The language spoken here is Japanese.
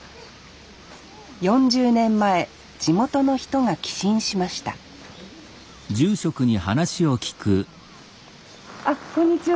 ４０年前地元の人が寄進しましたあっこんにちは。